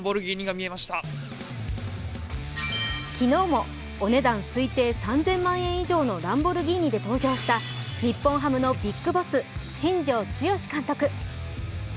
昨日もお値段推定３０００万円以上のランボルギーニで登場した日本ハムのビッグボス、新庄剛志監督。